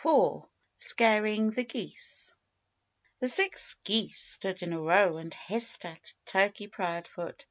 IV SCARING THE GEESE The six geese stood in a row and hissed at Turkey Proudfoot.